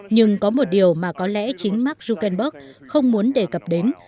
nhưng có một điều mà có lẽ chính mark zuckenberg không muốn đề cập đến